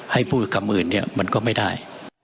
ให้พูดคำอื่นเนี่ยมันก็ไม่ได้